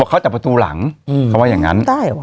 เข้าจากประตูหลังเขาว่าอย่างนั้น